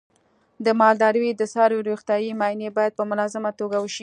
د مالدارۍ د څارویو روغتیايي معاینې باید په منظمه توګه وشي.